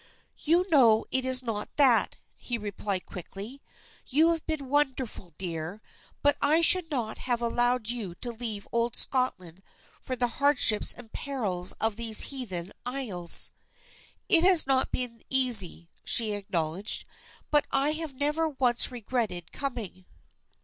"You know it is not that," he replied quickly. "You have been wonderful, dear. But I should not have allowed you to leave old Scotland for the hardships and perils of these heathen isles." "It has not been easy," she acknowledged; "but I have never once regretted coming."